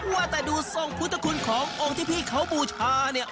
ว่าแต่ดูทรงพุทธคุณขององค์ที่พี่เขาบูชาเนี่ย